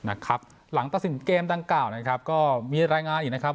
หลังตัดสินเกมดังกล่าวนะครับก็มีรายงานอีกนะครับ